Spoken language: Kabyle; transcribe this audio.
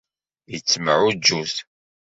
Yettemɛujjut.